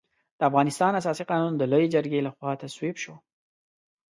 د افغانستان اساسي قانون د لويې جرګې له خوا تصویب شو.